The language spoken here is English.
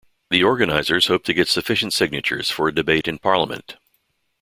The organisers hope to get sufficient signatures for a debate in Parliament.